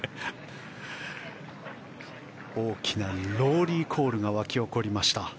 大きなローリーコールが沸き起こりました。